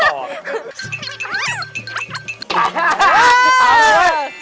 เอาครับ